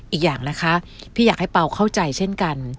อีกอย่างนะคะพี่อยากให้เปล่าเข้าใจเช่นกัน